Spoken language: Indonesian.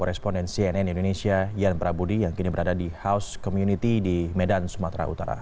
koresponden cnn indonesia yan prabudi yang kini berada di house community di medan sumatera utara